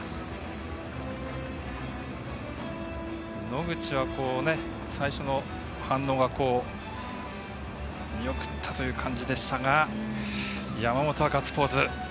野口は、最初の反応が見送ったという感じでしたが山本は、ガッツポーズ。